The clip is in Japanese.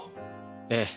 ええ。